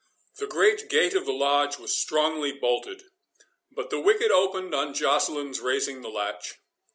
The great gate of the Lodge was strongly bolted, but the wicket opened on Joceline's raising the latch.